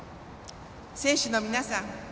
選手の皆さん